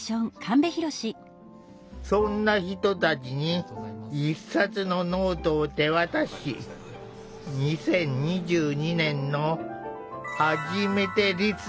そんな人たちに１冊のノートを手渡し２０２２年の「はじめてリスト」を書き出してもらった。